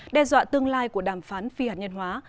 đe dọa tương lai của đàm phán phi hạt nhân hóa